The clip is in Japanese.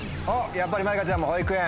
やっぱりまりかちゃんも「保育園」。